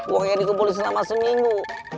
uang yang dikumpulin selama seminggu